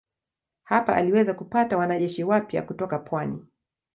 Hapa aliweza kupata wanajeshi wapya kutoka pwani.